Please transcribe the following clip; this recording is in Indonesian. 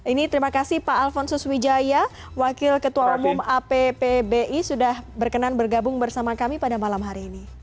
ini terima kasih pak alfon suswijaya wakil ketua umum appbi sudah berkenan bergabung bersama kami pada malam hari ini